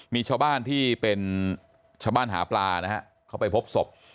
มีชาวบ้านที่เป็นชาวบ้านหาปลานะฮะเขาไปพบศพ